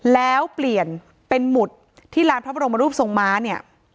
แล้วเปลี่ยนเป็นหมุดที่ลานพระบรมรูปทรงม้าเนี่ย